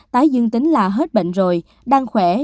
tái dương tính là hết bệnh rồi đang khỏe